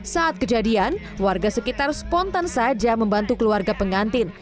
saat kejadian warga sekitar spontan saja membantu keluarga pengantin